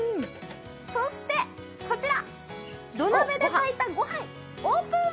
そしてこちら土鍋で炊いたごはん、オープン！